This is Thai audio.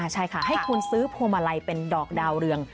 ใช่ค่ะให้คุณซื้อพวงมาลัยเป็นดอกดาวเรือง